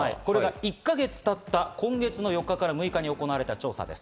１か月経った今月４日から６日に行われた調査です。